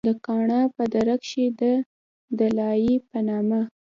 د کاڼا پۀ دره کښې د “دلائي” پۀ نامه